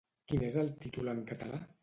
Quin és el títol en català?